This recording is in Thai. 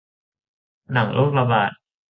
หนังโรคระบาด